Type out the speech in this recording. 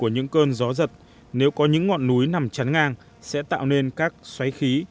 những cơn gió giật nếu có những ngọn núi nằm chắn ngang sẽ tạo nên các xoáy khí